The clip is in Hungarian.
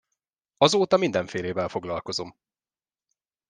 Azóta mindenfélével foglalkozom.